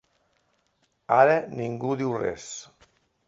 Ara ningú no diu res.